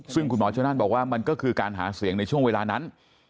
ซึ่งคุณหมอชนนั่นบอกว่ามันก็คือการหาเสียงในช่วงเวลานั้น